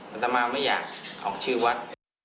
อัตมาไม่อยากออกชื่อวัด